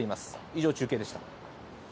以上、中継でした。